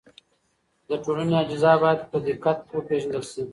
د ټولنې اجزا باید په دقت وپېژندل شي.